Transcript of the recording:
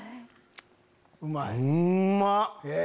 うんまっ！